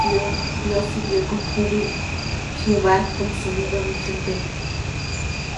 Subió Dios con júbilo, Jehová con sonido de trompeta.